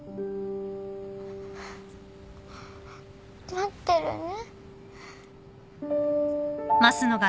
待ってるね。